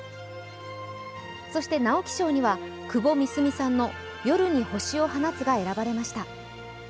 そして直木賞には窪美澄さんの「夜に星を放つ」が選ばれました。